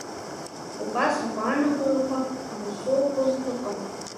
Убас агәаанагарақәа ансоуқәоз ыҟан.